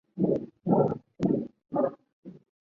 卡瑙巴尔是巴西塞阿拉州的一个市镇。